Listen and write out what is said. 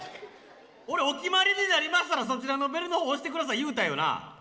俺お決まりになりましたらそちらのベルの方押してください言うたよな？